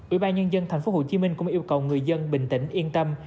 ủy ban nhân dân thành phố hồ chí minh cũng yêu cầu người dân bình tĩnh yên tâm